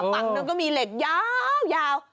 ฝั่งหนึ่งก็มีเหล็กยาว